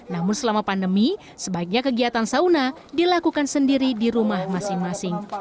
namun selama pandemi sebaiknya kegiatan sauna dilakukan sendiri di rumah masing masing